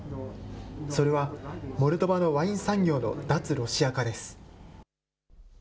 それは、モルドバのワイン産業の脱ロシア化です。